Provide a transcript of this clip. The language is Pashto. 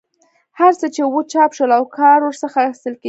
هر څه چې وو چاپ شول او کار ورڅخه اخیستل کېدی.